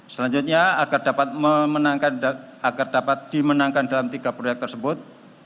selanjutnya agar dapat dimenangkan dalam tiga proyek tersebut